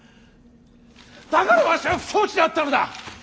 だからわしは不承知だったのだ。